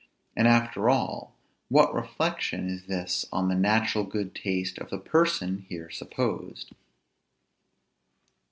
and after all, what reflection is this on the natural good taste of the person here supposed?